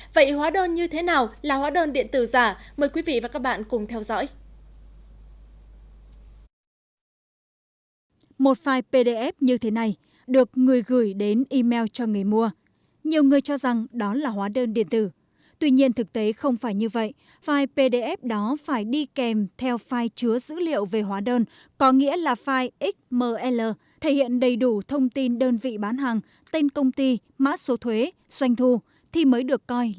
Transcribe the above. vậy hóa đơn như thế nào là hóa đơn điện tử giả mời quý vị và các bạn cùng theo dõi